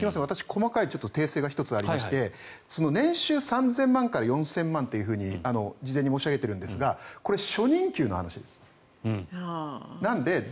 細かい訂正が１つありまして年収３０００万から４０００万って事前に申し上げているんですがこれは初任給の話です。